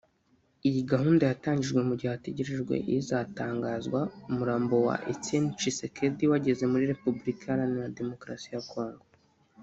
Iyi gahunda yatangijwe mu gihe hategerejwe izatangazwa umurambo wa Etienne Tshisekedi wageze muri Repuburika Iharanira Demokarasi ya Congo